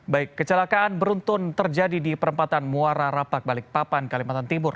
baik kecelakaan beruntun terjadi di perempatan muara rapak balikpapan kalimantan timur